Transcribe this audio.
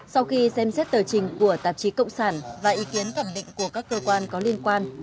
sau khi xem xét tờ trình của tạp chí cộng sản và ý kiến thẩm định của các cơ quan có liên quan